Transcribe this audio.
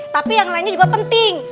tapi yang lainnya juga penting